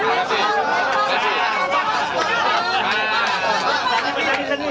pak tadi berani berani